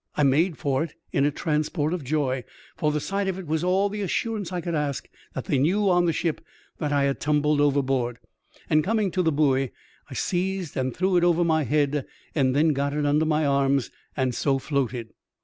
I made for it in a transport of joy, for the sight of it was all the assurance I could ask that they knew on the ship that I had tumbled overboard, and, coming to the buoy, I seized and threw it over my head, and then got it under my arms and so floated.